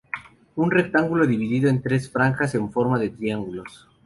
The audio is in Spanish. Un rectángulo dividido en tres franjas en forma de triángulos.